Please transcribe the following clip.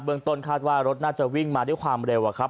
ต้นคาดว่ารถน่าจะวิ่งมาด้วยความเร็วอะครับ